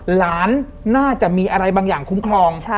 หลานน่าจะมีอะไรบางอย่างคุ้มครอง